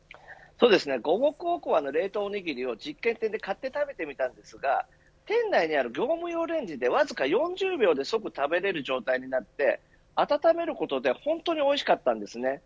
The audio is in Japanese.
五目おこわの冷凍おにぎりを実験店で買って食べてみたんですが店内にある業務用レンジでわずか４０秒で即、食べれる状態になって温めることで本当においしかったんです。